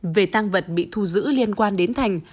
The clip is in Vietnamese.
về tăng vật bị thu giữ liên quan đến thành